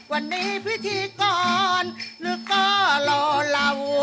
วันนี้พิธีกรหรือก็รอเหล่า